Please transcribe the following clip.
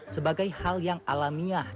sebagai hal yang alamiah di indonesia